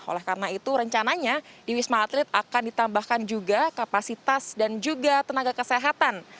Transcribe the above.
oleh karena itu rencananya di wisma atlet akan ditambahkan juga kapasitas dan juga tenaga kesehatan